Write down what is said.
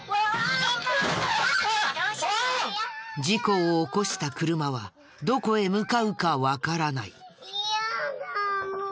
事故を起こした車はどこへ向かうかわからない。